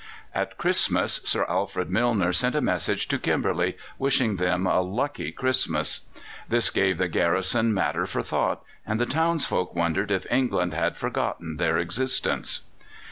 At Christmas Sir Alfred Milner sent a message to Kimberley, wishing them a lucky Christmas. This gave the garrison matter for thought, and the townsfolk wondered if England had forgotten their existence.